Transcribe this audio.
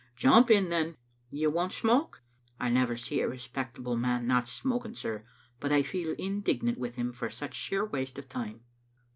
"Jump in then. You won'f smoke? I never see a respectable man not smoking, sir, but I feel indignant with him for such sheer waste of time."